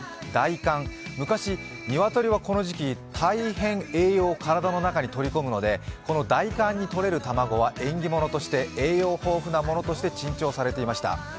大寒、昔、鶏はこの時期、大変栄養を体の中に取り込むのでこの大寒にとれる卵は縁起物として栄養豊富なものとして珍重されていました。